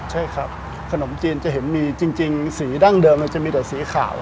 ใช่ครับขนมจีนจะเห็นมีจริงสีดั้งเดิมเราจะมีแต่สีขาว